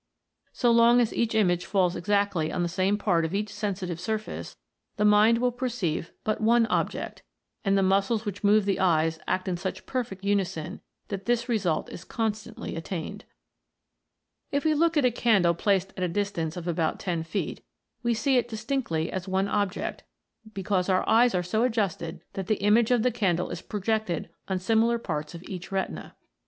So long as each image falls exactly on the same part of each sensitive sur face, the mind will perceive but one object, and the muscles which move the eyes act in such perfect unison that this result is constantly attained. TWO EYES ARE BETTER THAX ONE. 107 If we look at a candle placed at a distance of about ten feet, we see it distinctly as one object, because our eyes are so adjusted that the image of the candle is projected on similar parts of each retina.